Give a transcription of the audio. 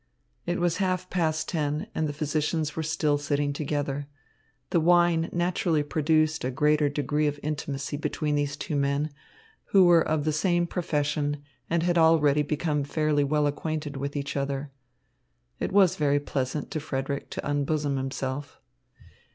It was half past ten, and the physicians were still sitting together. The wine naturally produced a greater degree of intimacy between these two men, who were of the same profession and had already become fairly well acquainted with each other. It was very pleasant to Frederick to unbosom himself.